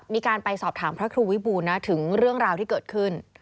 มีการไปสอบถามพระครูวิบูรณนะถึงเรื่องราวที่เกิดขึ้น